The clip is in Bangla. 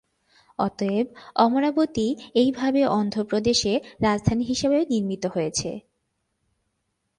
অতএব, অমরাবতী এইভাবে অন্ধ্র প্রদেশ রাজধানী হিসাবে নির্মিত হয়েছে।